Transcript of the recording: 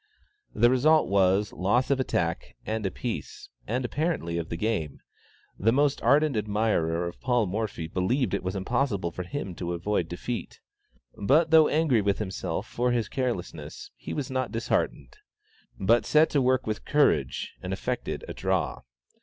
The result was, loss of attack and a piece, and apparently of the game; the most ardent admirer of Paul Morphy believed it was impossible for him to avoid defeat. But though angry with himself for his carelessness, he was not disheartened, but set to work with courage, and effected "a draw."